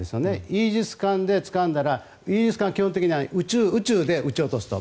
イージス艦でつかんだらイージス艦は基本的に宇宙で撃ち落とすと。